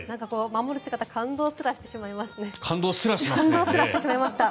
守る姿に感動すらしてしまいました。